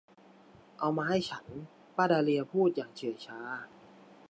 เอามาให้ฉัน ป้าดาเลียพูดอย่างเฉื่อยชา